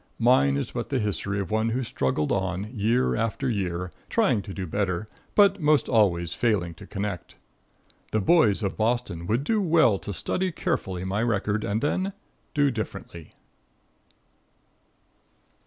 Mine is but the history of one who struggled on year after year, trying to do better, but most always failing to connect. The boys of Boston would do well to study carefully my record and then do differently.